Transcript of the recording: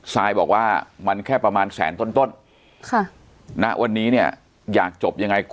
ซายบอกว่ามันแค่ประมาณแสนต้นต้นค่ะณวันนี้เนี่ยอยากจบยังไง